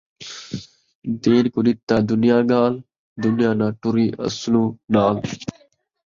دین کوں ݙتا دنیا ڳال ، دنیا ناں ٹری اصلوں نال